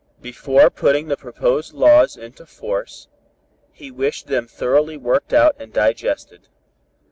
Before putting the proposed laws into force, he wished them thoroughly worked out and digested.